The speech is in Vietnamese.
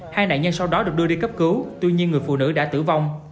hai nạn nhân sau đó được đưa đi cấp cứu tuy nhiên người phụ nữ đã tử vong